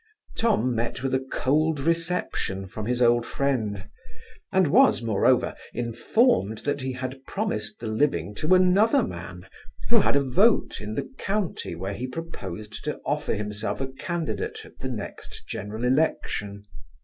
Tom met with a cold reception from his old friend; and was, moreover, informed, that he had promised the living to another man, who had a vote in the county, where he proposed to offer himself a candidate at the next general election.